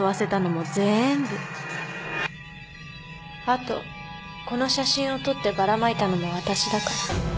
あとこの写真を撮ってばらまいたのもわたしだから。